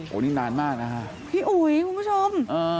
อันนี้นานมากนะฮะพี่อุ๋ยคุณผู้ชม